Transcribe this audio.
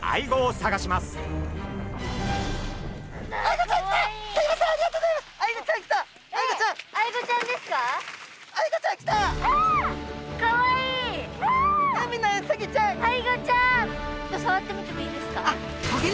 さわってみてもいいですか？